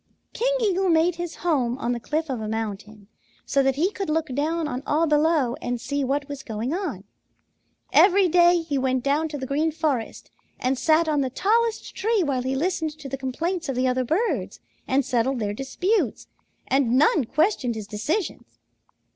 "King Eagle made his home on the cliff of a mountain, so that he could look down on all below and see what was going on. Every day he went down to the Green Forest and sat on the tallest tree while he listened to the complaints of the other birds and settled their disputes, and none questioned his decisions.